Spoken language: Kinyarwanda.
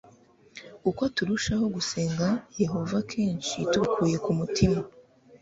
Uko turushaho gusenga Yehova kenshi tubikuye ku mutima